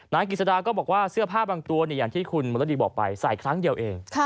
นายกิจสดาก็บอกว่าเสื้อผ้าบางตัวอย่างที่คุณมรดีบอกไปใส่ครั้งเดียวเอง